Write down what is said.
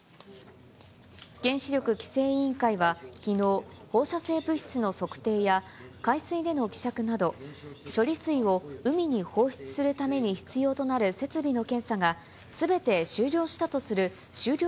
原子力規制委員会はきのう、放射性物質の測定や海水での希釈など、処理水を海に放出するために必要となる設備の検査がすべて終了したとする終了